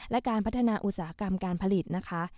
และการพัฒนาอุตสาหกรรมการผลิตนะคะ